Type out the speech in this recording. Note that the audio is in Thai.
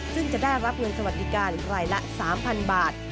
ซึ่งจะได้รับเงินสวัสดิการรายละ๓๐๐๐บาท